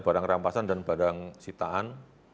barang rampasan dan barang sitaan